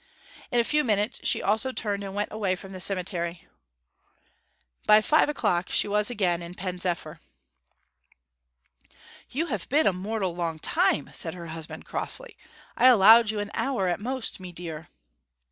In a few minutes she also turned and went away from the cemetery. By five o'clock she was again in Pen zephyr. 'You have been a mortal long time!' said her husband, crossly. 'I allowed you an hour at most, mee deer.'